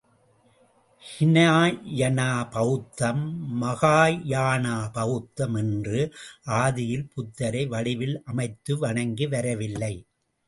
ஹினாயனா பௌத்தம், மகாயானா பௌத்தம் என்று, ஆதியில் புத்தரை வடிவில் அமைத்து வணங்கி வரவில்லை.